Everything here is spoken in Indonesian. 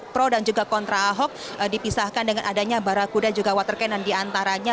pro dan juga kontra ahok dipisahkan dengan adanya barakuda juga water cannon diantaranya